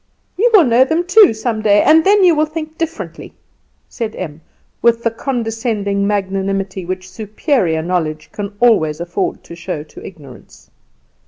"You will know them too some day, and then you will think differently," said Em, with the condescending magnanimity which superior knowledge can always afford to show to ignorance.